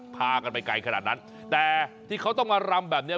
พากันไปไกลขนาดนั้นแต่ที่เขาต้องมารำแบบนี้